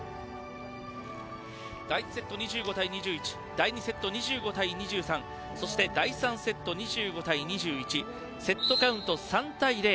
第１セット、２５対２１第２セット、２５対２３第３セット、２５対２１セットカウント、３対０。